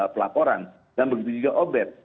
pelaporan dan begitu juga obat